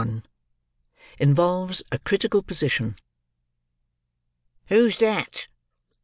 INVOLVES A CRITICAL POSITION "Who's that?"